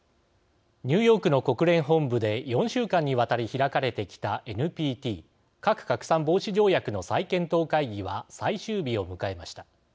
ニューヨークの国連本部で４週間にわたり開かれてきたＮＰＴ＝核拡散防止条約の再検討会議は最終日を迎えました。